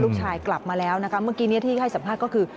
ลูกชายกลับมาแล้วนะครับเมื่อกี้ที่ให้สัมภาษณ์ก็คือ